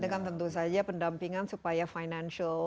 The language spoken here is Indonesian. itu kan tentu saja pendampingan supaya financial